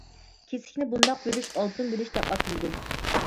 كېسىكنى بۇنداق بۆلۈش ئالتۇن بۆلۈش دەپ ئاتىلىدۇ.